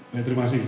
baik terima kasih